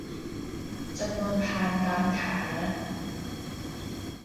จำนวนพานตามฐานะ